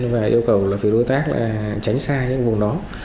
và yêu cầu là phía đối tác là tránh xa những vùng đó